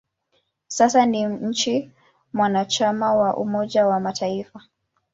Sasa ni nchi mwanachama wa Umoja wa Mataifa.